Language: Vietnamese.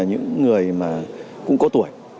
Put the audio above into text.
những người mà cũng có tuổi